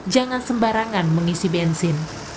jangan sembarangan mengisi bensin